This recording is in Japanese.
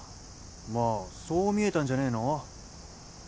まあそう見えたんじゃねえの？